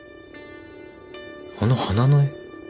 あの花の絵。